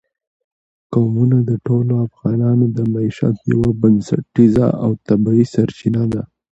قومونه د ټولو افغانانو د معیشت یوه بنسټیزه او طبیعي سرچینه ده.